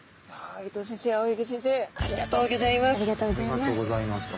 ありがとうございます。